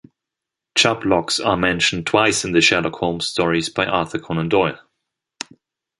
Chubb locks are mentioned twice in the Sherlock Holmes stories by Arthur Conan Doyle.